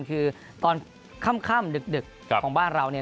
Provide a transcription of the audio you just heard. คือตอนค่ำเดือก